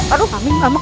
aduh kami mampu